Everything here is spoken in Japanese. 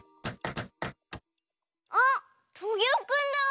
あっトゲオくんだ！